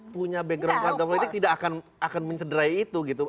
punya background keluarga politik tidak akan mencederai itu gitu